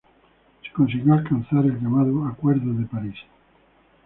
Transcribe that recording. Se consiguió alcanzar el llamado Acuerdo de París.